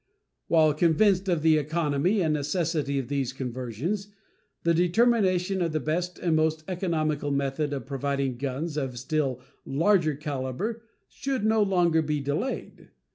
While convinced of the economy and necessity of these conversions, the determination of the best and most economical method of providing guns of still larger caliber should no longer be delayed.